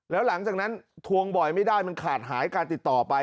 แล้วหลังจากนั้นทวงบ่อยไม่ได้มันขาดหายการติดต่อไป